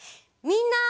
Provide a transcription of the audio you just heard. みんな。